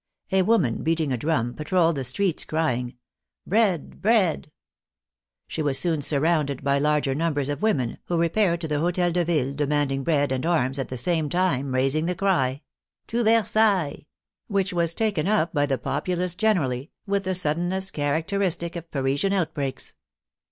A woman beating a drum patrolled the streets, crying, " Bread ! Bread !" She was soon surrounded by large numbers of women, who repaired to the Hotel de Ville demanding bread and arms, at the same time raising the cry, " To Versailles !" which was taken up by the populace generally, with the sudden ness characteristic of Parisian outbreaks.